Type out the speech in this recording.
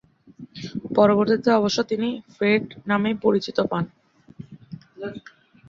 পরবর্তীতে অবশ্য তিনি ফ্রেড নামেই পরিচিতি পান।